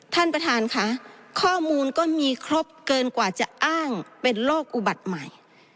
ท่านประธานค่ะข้อมูลก็มีครบเกินกว่าจะอ้างเป็นโรคอุบัติใหม่